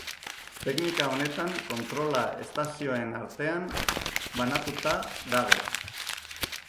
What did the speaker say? Teknika honetan kontrola estazioen artean banatuta dago.